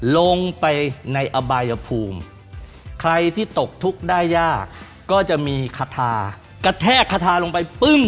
ลงไปในอบายภูมิใครที่ตกทุกข์ได้ยากก็จะมีคาทากระแทกคาทาลงไปปึ้ง